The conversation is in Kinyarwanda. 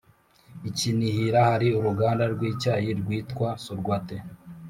Ikinihira hari uruganda rwicyayi rwitwa sorwathe